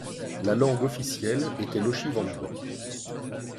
La langue officielle était l'oshivambo.